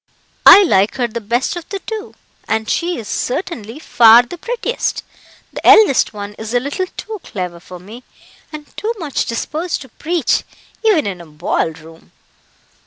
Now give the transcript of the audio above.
"I like her the best of the two, and she is certainly far the prettiest. The eldest one is a little too clever for me, and too much disposed to preach, even in a ball room."